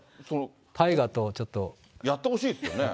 タイガーとちょっとやってほしいですよね。